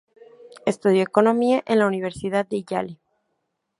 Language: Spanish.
Estudió economía en la Universidad de Yale.